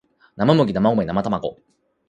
生麦生米生たまご